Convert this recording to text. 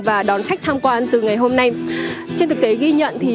và đón khách tham quan từ ngày hôm nay